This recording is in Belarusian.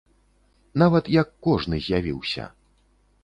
Нават як кожны з'явіўся.